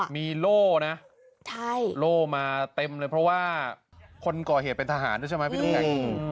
มีโล่นะโล่มาเต็มเลยเพราะว่าคนก่อเหตุเป็นทหารด้วยใช่ไหมพี่น้ำแข็ง